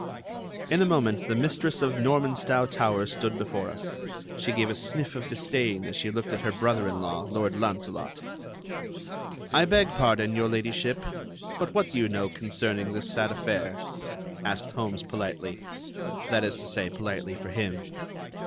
In a moment the mistress of Normanstow Towers stood before us. She gave a sniff of disdain as she looked at her brother in law, Lord Launcelot. "I beg pardon, Your Ladyship, but what do you know concerning this sad affair?" asked Holmes politely, that is to say, politely for him.